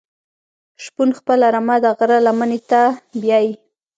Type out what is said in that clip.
شپون خپله رمه د غره لمنی ته بیایی.